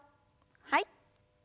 はい。